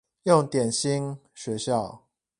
用點心學校